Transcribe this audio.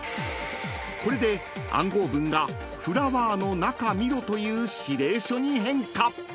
［これで暗号文が「フラワーの中見ろ」という指令書に変化］